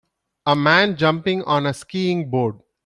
A man jumping on a skiing board.